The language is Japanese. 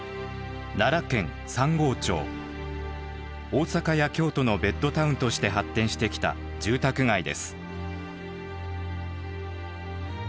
大阪や京都のベッドタウンとして発展してきた住宅街です。